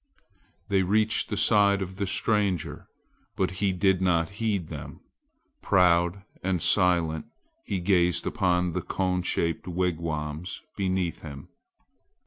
They reached the side of the stranger, but he did not heed them. Proud and silent he gazed upon the cone shaped wigwams beneath him.